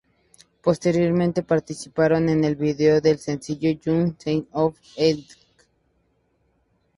Posteriormente participando en el vídeo del sencillo de Jung "The Sense of an Ending.